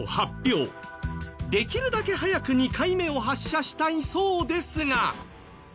できるだけ早く２回目を発射したいそうですが。